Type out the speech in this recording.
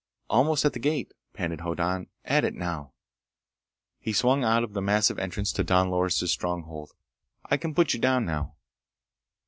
"Almost at the gate," panted Hoddan. "At it, now." He swung out of the massive entrance to Don Loris' stronghold. "I can put you down now."